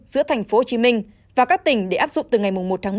giữa tp hcm và các tỉnh để áp dụng từ ngày một một mươi